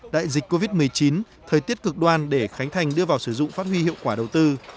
đại dịch covid một mươi chín thời tiết cực đoan để khánh thành đưa vào sử dụng phát huy hiệu quả đầu tư